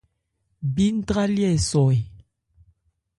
Bí ntrályɛ́ ɛ sɔ ɛ ?